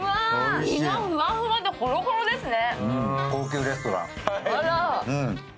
身がふわふわでとろとろですね。